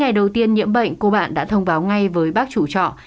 ngày đầu tiên nhiễm bệnh cô bạn đã thông báo ngay với bác chủ trọ